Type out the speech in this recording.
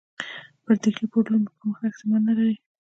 پر ډهلي پر لور پرمختګ احتمال نه لري.